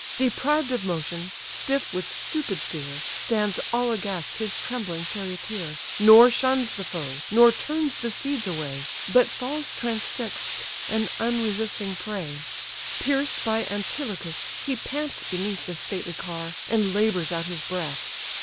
Deprived of motion, stiff with stupid fear, Stands all aghast his trembling charioteer, Nor shuns the foe, nor turns the steeds away, But falls transfix'd, an unresisting prey: Pierced by Antilochus, he pants beneath The stately car, and labours out his breath.